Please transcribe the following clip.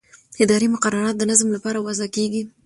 اداري مقررات د نظم لپاره وضع کېږي.